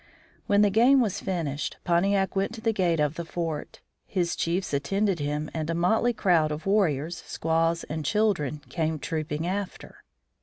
When the game was finished Pontiac went to the gate of the fort. His chiefs attended him and a motley crowd of warriors, squaws, and children came trooping after.